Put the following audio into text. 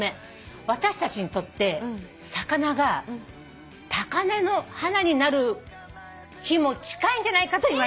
私たちにとって魚が高嶺の花になる日も近いんじゃないかといわれてる。